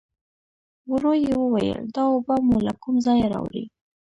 ورو يې وویل: دا اوبه مو له کوم ځايه راوړې؟